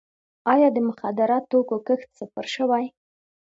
آیا د مخدره توکو کښت صفر شوی؟